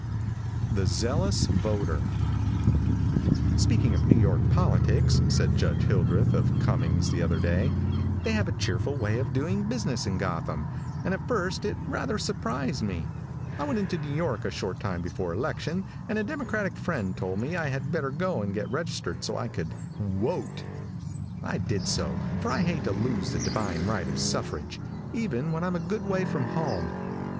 THE ZEALOUS VOTER. |SPEAKING of New York politics," said Judge Hildreth, of Cummings, the other day, "they have a cheerful way of doing business in Gotham, and at first it rather surprised me. I went into New York a short time before election, and a Democratic friend told me I had better go and get registered so I could 'wote.' I did so, for I hate to lose the divine right of suffrage, even when I'm a good way from home.